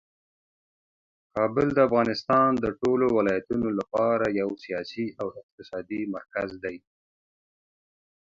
کابل د افغانستان د ټولو ولایتونو لپاره یو سیاسي او اقتصادي مرکز دی.